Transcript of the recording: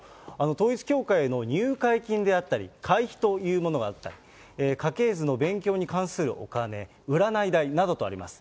統一教会の入会金であったり、会費というものがあったり、家系図の勉強に関するお金、占い代などとあります。